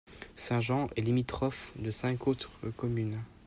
Saint-Jean est limitrophe de cinq autres communes.